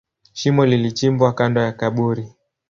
Shimo lilichimbwa kando ya kaburi.